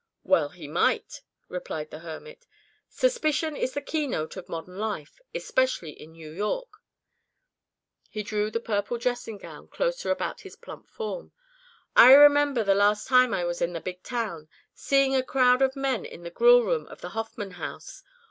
"Well he might," replied the hermit. "Suspicion is the key note of modern life especially in New York." He drew the purple dressing gown closer about his plump form. "I remember the last time I was in the big town, seeing a crowd of men in the grill room of the Hoffman House.